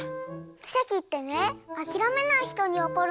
きせきってねあきらめないひとにおこるの。